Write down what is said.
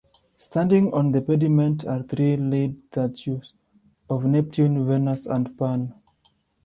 Standing on the pediment are three lead statues, of Neptune, Venus and Pan.